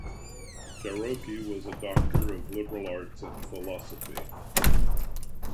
Jarocki was a Doctor of Liberal Arts and Philosophy.